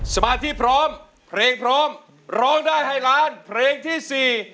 สมาธิพร้อมเพลงพร้อมร้องได้ให้ล้านเพลงที่สี่